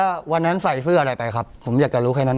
ก็วันนั้นใส่เสื้ออะไรไปครับผมอยากจะรู้แค่นั้น